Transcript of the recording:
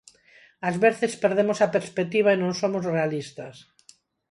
Ás veces perdemos a perspectiva e non somos realistas.